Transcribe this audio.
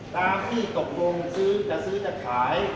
ตามที่ตกลงซื้อจะซื้อจะขาย